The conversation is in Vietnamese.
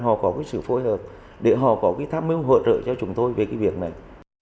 họ có sự phối hợp để họ có tham mưu hợp trợ cho chúng tôi về việc này